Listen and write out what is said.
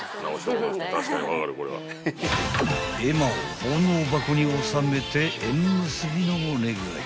［絵馬を奉納箱に納めて縁結びのお願い］